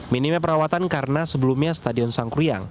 minimai perawatan karena sebelumnya stadion sangkuriang